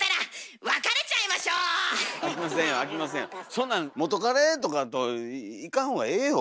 そんなん元カレとかと行かんほうがええよ